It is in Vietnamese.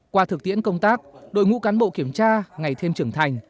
qua thực tiễn công tác đội ngũ cán bộ kiểm tra ngày thêm trưởng thành